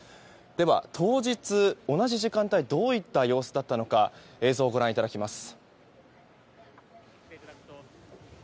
では、当日、同じ時間帯はどういった様子だったのか映像をご覧いただきます。